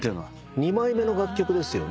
２枚目の楽曲ですよね？